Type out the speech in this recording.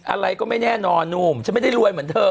อะไรก็ไม่แน่นอนหนุ่มฉันไม่ได้รวยเหมือนเธอ